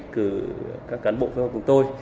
cử các cán bộ với họ cùng tôi